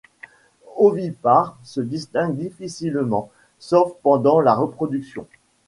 Ovipares, se distingue difficilement sauf pendant la reproduction.